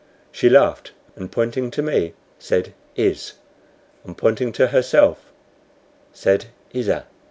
She laughed, and pointing to me said "Iz," and pointing to herself said, "Izza."